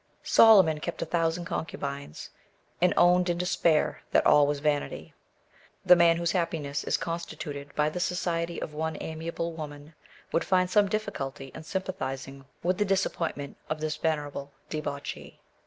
Solomon kept a thousand concubines, and owned in despair that all was vanity. The man whose happiness is constituted by the society of one amiable woman would find some difficulty in sympathising with the disappointment of this venerable debauchee.